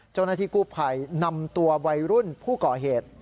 เจ้าหน้าที่กู้ภัยนำตัววัยรุ่นผู้ก่อเหตุ